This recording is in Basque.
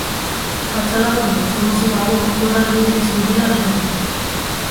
Fatxada hori oso baxu dago, lurraren desnibela dela eta.